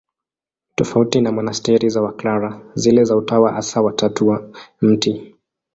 Tofauti na monasteri za Waklara, zile za Utawa Hasa wa Tatu wa Mt.